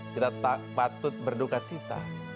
kita patut berduka cita